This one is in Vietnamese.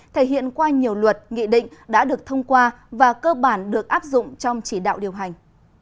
thể hiện qua nhiều luật nghị định đã được thông qua và cơ bản được áp dụng trong chỉ đạo điều hành